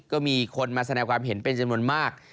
ก็มีคนมาแสดงความเห็นเป็นจำนวนมาก